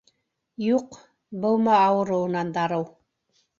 Юҡ, Быума ауырыуынан дарыу.